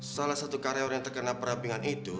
salah satu karyawan yang terkena perampingan itu